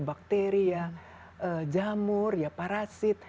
bakteri jamur parasit